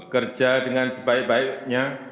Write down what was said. kerja dengan sebaik baiknya